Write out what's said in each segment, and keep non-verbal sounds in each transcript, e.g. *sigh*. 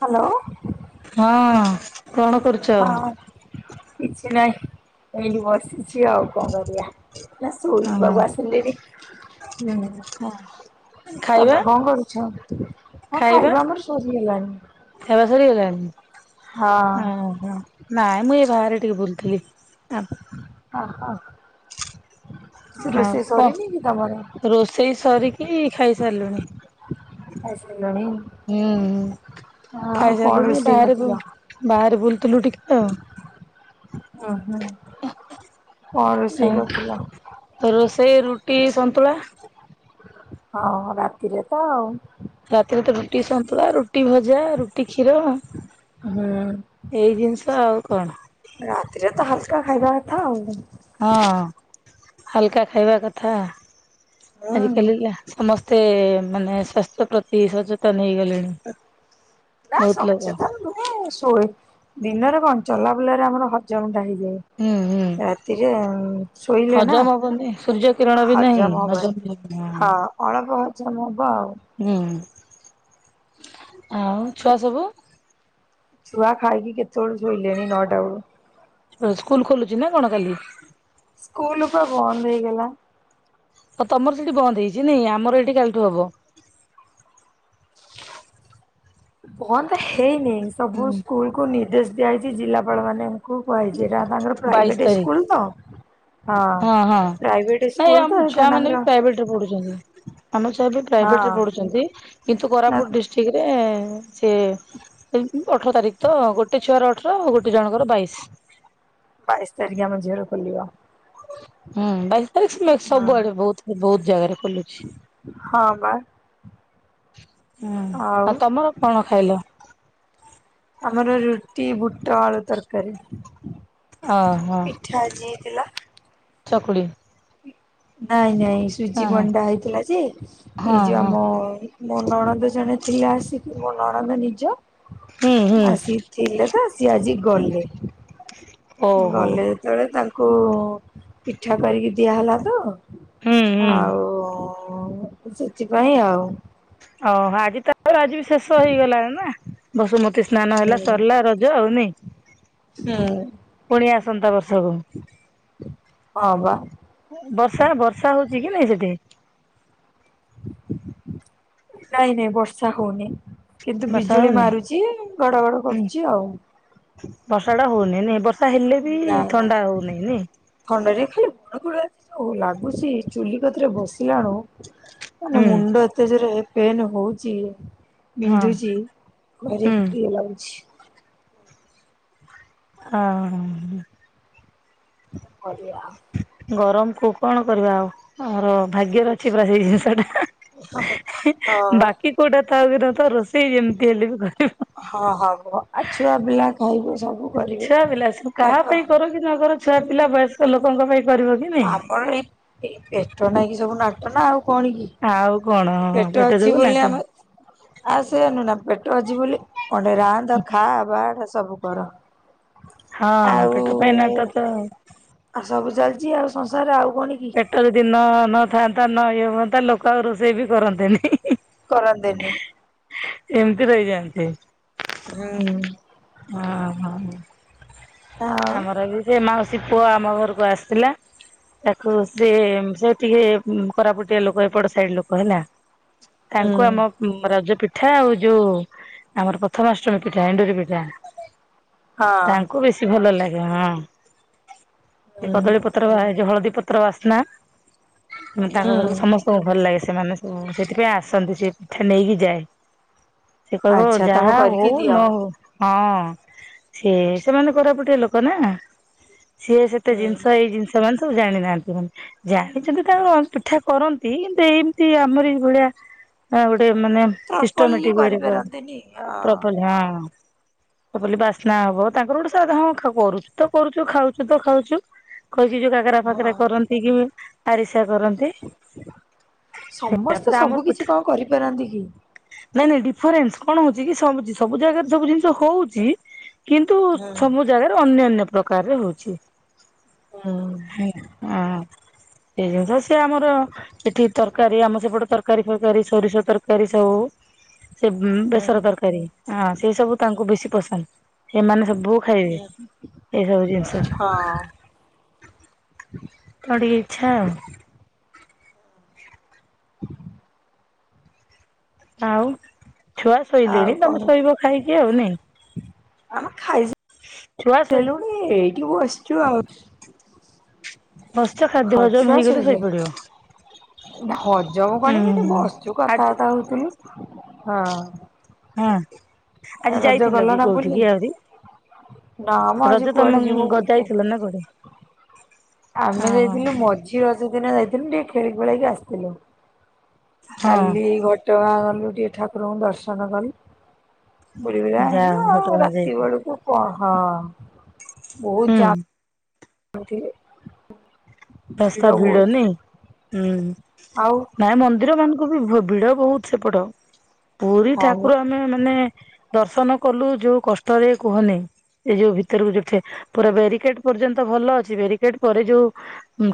Hello ହଁଅ-ଅ-ଅ କଣ କରୁ ହଁ କିଛି ନାହିଁ, ଏଇଠି ବସିଛି ଆଉ। କଣ କରିବା *inaudible* ଶୋଇବାକୁ ଆସିଲିଣି। ଖାଇବା ତମେ କଣ କରୁଛ? ହଁ ଖାଇବା ଆମର ସରିଗଲାଣି। ଖାଇବା ସରିଗଲାଣି? ହଁ ଅଁ ହଁ ନାଇଁ ମ ଏ ବାହାରେ ଟିକେ ବୁଲୁଥିଲି। ଅ ହ। ଆଉ ରୋଷେଇ କଣ, ସରିନି କି ତମର? ରୋଷେଇ ସରିକି ଖାଇସାରିଲିଣି। ଖାଇସାରିଲଣି ଉଁହୁଁ ଆଉ କଣ ଖାଇସାରୁଲୁଣି ରୋଷେଇ ବାହାରିବୁ। କରିଥିଲ? ବାହାରେ ବୁଲୁଥିଲୁ ଟିକେ ଆଉ। ଓହୋଃ। ହଁ, ରୋଷେଇ ରୁଟି ସନ୍ତୁଳା। ହଁ ରାତିରେ ତ ଆଉ। ରାତିରେ ତ ରୁଟି ସନ୍ତୁଳା, ରୁଟି ଭଜା, ରୁଟି କ୍ଷୀର। ହୁଁ ଏଇ ଜିନିଷ ଆଉ କଣ ରାତିରେ ତ ହାଲକା ଖାଇବା କଥା ଆଉ। ହଁ ହାଲକା ଖାଇବା କଥା, ହୁଁ ଆଜିକାଲିକା। ସମସ୍ତେ ମାନେ ସ୍ୱାସ୍ଥ୍ୟ ପ୍ରତି ସଚେତନ ହେଇଗଲେଣି। ନା ବହୁତ ଲୋକ ସଚେତନ ନୁହେ ଶୋଇ ଦିନରେ କଣ ଚଲା ବୁଲରେ ଆମର ହଜମଟା ହୁଁ ହୁଁ ହେଇଯାଏ। ରାତିରେରେ ଶୋଇଲେ ନା ହଜମ ହବନି ସୂର୍ଯ୍ୟ କିରଣ ବି ନାହିଁ ହଜମ ହବନି। ହଁ ଅଳ୍ପ ହଜମ ହବ ଆଉ। ହୁଁ ଆଉ ଛୁଆ ସବୁ। ଛୁଆ ଖାଇକି କେତେବେଳେ ଶୋଇଲେଣି ନଟା ବେଳୁ। ସ୍କୁଲ ଖୋଲୁଛି ନା କଣ କାଲି। ସ୍କୁଲ ପା ବନ୍ଦ ହେଇ ଗଲା। ହଉ ତମର ସେଠି ବନ୍ଦ ହେଇଛି ନାଇ ଆମର ଏଠି କାଲିଠୁ ହେବ। ବନ୍ଦ ହେଇନି ସବୁ ହୁଁ ସ୍କୁଲ କୁ ନିର୍ଦ୍ଦେଶ ଦିଆହାଇଛି। ଜିଲ୍ଲାପାଳ ମାନେ ଖୁବ କୁହାହୋଇଛି ଏଇଟା ତାଙ୍କର ବାଇଶି ପ୍ରାଇଭେଟ ତାରିଖ ସ୍କୁଲ ତ ହଁ ହଁ ପ୍ରାଇଭେଟ ନାଇଁ ସ୍କୁଲ ତ ଆମ ଏଇଟା ଛୁଆ ମାନେ ବି ତାଙ୍କର ପ୍ରାଇଭେଟ ରେ ପଢୁଛନ୍ତି। ଆମ ଛୁଆ ବି ହଁ ପ୍ରାଇଭେଟରେ ପଢୁଛନ୍ତି କିନ୍ତୁ ନା କୋରାପୁଟ ଡିଷ୍ଟ୍ରିକରେ ସେ ଅଠର ତାରିଖ ତ ଗୋଟେ ଛୁଆର ଅଠର ଆଉ ଗୋଟେ ଜଣଙ୍କର ବାଇଶ। ବାଇଶ ତାରିଖ ଝିଅର ଖୋଲିବ। ହୁଁ ବାଇଶ ତାରିଖ ହୁଁ ସବୁଆଡେ ବହୁତ ବହୁତ ଜାଗାରେ ଖୋଲୁଛି। ହଁ ବା ହୁଁ ଆଉ ତମର କଣ ଖାଇଲ? ଆମର ରୁଟି ବୁଟ ଆଳୁ ତରକାରୀ ଓ ହୋ ପିଠା ଆଜି ହେଇଥିଲା। *inaudible* ଚକୁଳି। ନାଇଁ ନାଇଁ ସୁଜି ହଁ ହଁ ମଣ୍ଡା ହେଇଥିଲା ଯେ ଏଇ ହଁ ଯୋଉ ହଁ ଆମ ମୋ ନଣନ୍ଦ ଜଣେ ଥିଲେ ଆସିକି। ମୋ ନଣନ୍ଦ ନିଜ ହୁଁ ହୁଁ ଆସି ଥିଲେ ତ ସିଏ ଆଜି ଗଲେ। ଓହୋ ଗଲେ ଯେତେବେଳେ ତାଙ୍କୁ ଉ ପିଠା କରିକି ଦିଆହେଲା ହୁଁ ହୁଁ ତ ଆଉ ସେଥିପାଇଁ ଆଉ ଓହ! ଆଜି ତ ଆଜି ବି ଶେଷ ହେଇଗଲାଣି ନା ବସୁମତୀ ସ୍ନାନ ହେଲା ହୁଁ ସରିଲା ରଜ ଆଉ ନାହିଁ ହୁଁ ପୁଣି ଆସନ୍ତା ବର୍ଷକୁ। *inaudible* ହଁ ବା ବର୍ଷା ବର୍ଷା ହଉଛି କି ନାଇଁ ସେଠି। *inaudible* ନାଇଁ ନାଇଁ ବର୍ଷା ହଉନି। କିନ୍ତୁ ବର୍ଷା ବିଜୁଳି ହଉନି ମାରୁଛି ଘଡ ଘଡ ହୁଁ। କରୁଛି ଆଉ ବର୍ଷା ଟା ହଉନି ନି ବର୍ଷା ହେଲେ ବି ଥଣ୍ଡା ହଉନି ନାଇ। କଣ କହିଲେ ଖାଲି ବଡ ଗୋଡ ଯୋଉ ଲାଗୁଛି ଚୁଲି କତିରେ ବସିଲା ବେଳକୁ। ମାନେ ହୁଁ ମୁଣ୍ଡ ଏତେଜରେ ପେନ୍ ହଉଚି। ହଁ ବିନ୍ଧୁଚି ଘରେ ହୁଁ ଏକୁଟିଆ ଲାଗୁଚି। ହଁ। ପରିବା। ଗରମକୁୁ କଣ କରିବା ଆଉ ଆମର ଭାଗ୍ୟରେ ଥିବା ସେଇ ଜିନିଷଟା ହଁ ବାକି କଉଟା ତା ବିିନ ତ ରୋଷେଇ ଯେମିତି ହେଲେ ବି ହଁ କରିବ। ହଁ ହଁ କୁହ ଆଉ ଛୁଆ ପିଲା ଖାଇବେ ସବୁ। କରିବେ ଛୁଆ ପିଲା ସବୁ କାହା ବାପା ପାଇଁ କରୁ କି ନ କରୁ ଛୁଆ ପିଲା ବୟସ୍କ ଲୋକଙ୍କ ପାଇଁ କରିବ କି? ନାଇଁ। ଆମର ଏଇ ଏ ପେଟ ନାକି ସବୁ ନାଟ ନା ଆଉ କଣ କି? ଆଉ କଣ ପେଟ ଯଗୁ ନାଟ। ଆ ସେଏନୁ ନା ପେଟ ଅଛି ବୋଲି ଗଣ୍ଡେ ରାନ୍ଧ ଖା ବାଢ଼ ସବୁ କର। ହଁ ଆଉ ପେଟ ପାଇଁ ନାଟ ତ ଆଉ ସବୁ ଚାଲିଛି ଆଉ ସଂସାରରେ ଆଉ କଣ କି? ପେଟ ଯଦି ଦିନ ନ ଥାଆନ୍ତା ନ ଇଏ ହୁଅନ୍ତା ଲୋକ ଆଉ ରୋଷେଇ ବି କରନ୍ତେ ନି ହିଁହିଁ କରନ୍ତେ ନି। ଏମତି ରହିଯାଆନ୍ତେ। ହୁଁ। ହଁ ହୋ ଆଉ ଆମର ବି ସେ ମାଉସି ପୁଅ ଆମ ଘରକୁ ଆସିଥିଲା। ତାକୁ ସେ ସେ ଟିକେ କୋରାପୁଟିଆ ଲୋକ ଏପଟ ସାଇଟ୍ ଲୋକ ହେଲା। ହୁଁ ତାଙ୍କୁ ଆମ ରଜ ପିଠା ଆଉ ଯୋଉ ଆମର ପ୍ରଥମାଷ୍ଟମୀ ପିଠା ଏଣ୍ଡୁରି ପିଠା ହଁ। ୟାକୁ ବେଶୀ ଭଲ ଲାଗେ ହଁ ଏ ହୁଁ। କଦଳୀ ପତ୍ର ବା ହଳଦୀ ପତ ତ୍ର ବାସ୍ନା ତାଙ୍କ ଘରକୁ ହୁଁ ସମସ୍ତ ଙ୍କୁ ଭଲ ଲାଗେ ସେମାନେ ସବୁ ସେଥିପାଇଁ ଆସନ୍ତି ସେ ପିଠା ନେଇକି ଯାଏ। ସେ କହିବ ଆଚ୍ଛା ତମେ ଯାହା କରିକି ହଉ ଦିଅ। ନ ହଉ ହଁ ସିଏ ସେମାନେ କୋରାପୁଟିଆ ଲୋକ ନା ସିଏ ସେତେ ହୁଁ ଜିନିଷ ଏଇ ଜିନିଷ ମାନେ ସବୁ ଜାଣିନାହାନ୍ତି। ଜାଣିଛନ୍ତି ତାଙ୍କ ପିଠା କରନ୍ତି କିନ୍ତୁ ଏମିତି ଆମର ଏଇ ଭଳିଆ ଗୋଟେ ମାନେ ପ୍ରପରଲି ସିଷ୍ଟମେଟିକ ୱେ ରେ କରନ୍ତି କରିପାରନ୍ତିନି ଅ ପ୍ରପଲି ହଁ। ମୁଁ କହିଲି ବାସ୍ନା ହବ ତାଙ୍କର ଗୋଟେ ସାଦା ହଁ କରୁଛୁ ତ କରୁଛୁ ଖାଉଛୁ ତ ଖାଉଛୁ। କହିଛି ଯୋଉ କାକରା ହଁ। ଫାକରା କରନ୍ତି କି ଆରିସା କରନ୍ତି। ତାପରେ ସମସ୍ତେ ଆମର ସବୁ ପିଠା କିଛି କଣ କରିପାରନ୍ତି କି? ନାଇଁ ନାଇଁ ଡିଫରେନ୍ସ କଣ ହଉଛି କି ସବୁଛି ସବୁ ଜାଗାରେ ସବୁ ଜିନିଷ ହଉଛି। କିନ୍ତୁ ହୁଁ ସବୁ ଜାଗାରେ ଅନ୍ୟା ଅନ୍ୟ ପ୍ରକାରରେ ହଉଛି। ହଁ ହ ତେଣୁ ସେ ଆମର ଏଠି ତରକାରୀ ଆମ ସେପଟେ ତରକାରୀ ଫରକାରୀ ସୋରିଷ ତରକାରୀ ସବୁ ସେ ବେସର ହୁଁ ତରକାରୀ ହ ସେ ସବୁ ତାଙ୍କୁ ବେଶୀ ପସନ୍ଦ। ଏମାନେ ସବୁ ଖାଇବେ ଏଇସବୁ ଜିନିଷ। ହଁ ତ ଟିକେ ଇଚ୍ଛା ଆଉ। *unintelligible* ଆଉ ଛୁଆ ଶୋଇଲେଣି ତମେ ଶୋଇବ ଖାଇକି ଆଉ ନେ। ଆ ଛୁଆ ଶୋଇ ଖାଇସାଇଲୁଣି ଏଇଠ ବସିଛୁ ଆଉ। ବସିଛୁ ଖାଦ୍ୟ ହଁ ହଜମ ଛୁଆ ହେଇଗଲେ ଶୋଇଛନ୍ତି ଶୋଇପଡିବ। ହଜମ ହୁଁ କଣ କି ଏଠେ ବସଚୁ ଆଜି କଥାବାର୍ତ୍ତା ହଉଥିଲୁ ହଁ। ହଁ ଆଜି ରଜ ଯାଇଥିଲ ଗଲ କି ନା କୋଉଠି ବୁଲି? କି ଆହୁରି? ନା ମ ଆଜି ରଜ କୁଆଡେ ତମ ଯିବୁ ଘର ବୁଲିତେ। ଯାଇଥିଲ ନା କୋଠେ? ଆମେ ଯାଇଥିଲୁ ମଝି ରଜ ଦିନ ଯାଇଥିଲୁ ଟିକେ ଖେଳି ଖୁଳାକି ଆସିଥିଲୁ। ହଁ କାଲି ଘଟଗାଁ ଗଲୁ ଟିକେ ଠାକୁରଙ୍କୁ ଦର୍ଶନ କରି। ବୁଲିବାଲି ଯାଅ ଆଇଲୁ ଆଉ ଘଟଗାଁ ରାତି ଯାଇକି ବେଳକୁ କଣ ହ ବହୁତ ହୁଁ ଜା *unintelligible* ଭିଡ ରାସ୍ତା ବହୁତ ଭିଡନି ଆଉ ହୁଁ ନାଇଁ ମନ୍ଦିର ମାନ ବି ଭିଡ ବହୁତ ସେପଟ ପୁରୀ ହଁ ବା ଠାକୁର ଆମେ ମାନେ ଦର୍ଶନ କଲୁ ଯୋଉ କଷ୍ଟରେ କୁହନି ଏ ଯୋଉ ଭିତରକୁ ଯୋଉଠ ପୁରା ବ୍ୟାରିକେଟ ପର୍ଯ୍ୟନ୍ତ ଭଲ ଅଛି ବ୍ୟାରିକେଟ ପରେ ଯୋଉ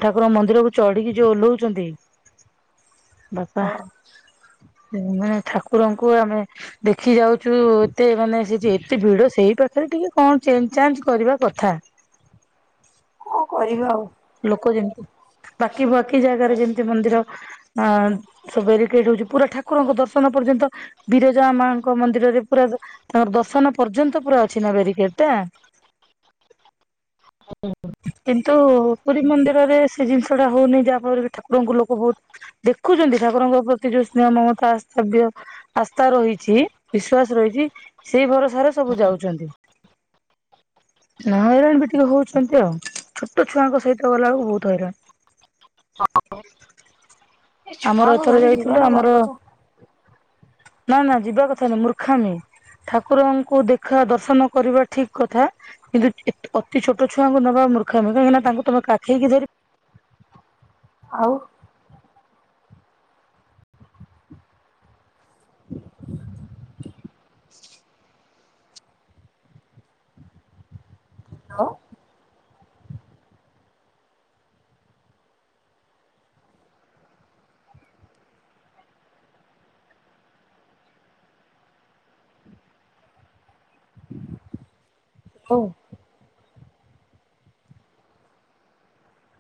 ଠାକୁରଙ୍କ ମନ୍ଦିରକୁ ଚଢିକି ଯୋଉ ଓଲ୍ହାଉଛନ୍ତି ବାପା ହଁ ମାନେ ଠାକୁରଙ୍କୁ ଆମେ ଦେଖି ଯାଉଛୁ ଏତେ ମାନେ ସେ ଯେ ଏତେ ଭିଡ ସେଇ ପାଖରେ ଟିକେ କଣ ଚେଞ୍ଜ ଚାଞ୍ଜ କରିବା କଥା। କଣ କରିବା ଆଉ? ଲୋକ ଯେମିତି ବାକି ବାକି ଜାଗାରେ ଯେମତି ମନ୍ଦିର ଆ ସବୁ ବାରିକେଟ ହଉଛି ପୁରା ଠାକୁରଙ୍କ ଦର୍ଶନ ପର୍ଯ୍ୟନ୍ତ ବିରଜା ମାଙ୍କ ମନ୍ଦିରରେ ପୁରା ତାଙ୍କର ଦର୍ଶନ ପର୍ଯ୍ୟନ୍ତ ପୁରା ଅଛି ନା ବ୍ୟାରିକେଟ ଟା। *inaudible* କିନ୍ତୁ ପୁରୀ ମନ୍ଦିରରେ ସେ ଜିନିଷ ଟା ହଉନି ଯାହା ଫଳରେ କି ଠାକୁରଙ୍କୁ ଲୋକ ବହୁତ୍ ଦେଖୁଚନ୍ତି ଠାକୁରଙ୍କ ପ୍ରତି ଯୋଉ ସ୍ନେହ ମମତା ଆସ୍ତବ୍ୟ ଆସ୍ଥା ରହିଛି ବିଶ୍ୱାସ ରହିଛି ସେଇ ଭରସ ଘରେ ସବୁ ଯାଉଚନ୍ତି ହଇରାଣ ବି ଟିକେ ହଉଚ ସେମିତି ଆଉ ଛୋଟ ଛୁଆଙ୍କ ସହିତ ଗଲାବେଳକୁ ବହୁତ୍ ହଇରାଣ। *unintelligible* ଏ ଆମର ଛୁଆଙ୍କୁ ଏଥର ଧରି ଯାଇଥିଲୁ ଯିବାଟା ଆମର ଭାରି କଷ୍ଟ। ନା ନା ଯିବା କଥା ନୁ ମୂର୍ଖାମି ଠାକୁରଙ୍କୁ ଦେଖା ଦର୍ଶନ କରିବା ଠିକ୍ କଥା। କିନ୍ତୁ ଏତ ଅତି ଛୋଟ ଛୁଆଙ୍କୁ ନବା ମୂର୍ଖାମୀ କାହିଁକି ନା ତାଙ୍କୁ ତମେ କାଖେଇକି ଧରି ଆଉ। ଆଉ। ହଉ।